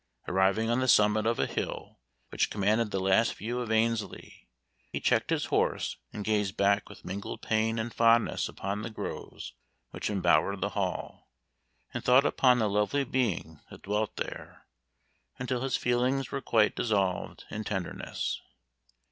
Arriving on the summit of a hill, which commanded the last view of Annesley, he checked his horse, and gazed back with mingled pain and fondness upon the groves which embowered the Hall, and thought upon the lovely being that dwelt there, until his feelings were quite dissolved in tenderness.